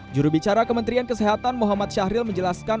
jurubicara kementerian kesehatan muhammad syahril menjelaskan